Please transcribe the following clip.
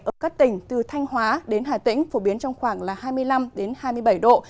ở các tỉnh từ thanh hóa đến hà tĩnh phổ biến trong khoảng là hai mươi năm hai mươi bảy độ